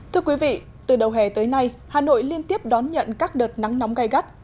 thưa quý vị từ đầu hè tới nay hà nội liên tiếp đón nhận các đợt nắng nóng gai gắt